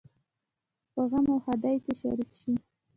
په غم او ښادۍ کې شریک شئ